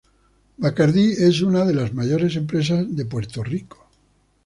Bacardí es una de las mayores empresas de Puerto Rico.